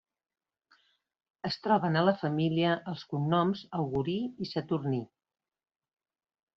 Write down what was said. Es troben a la família els cognoms Augurí i Saturní.